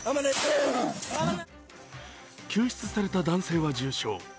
救出された男性は重傷。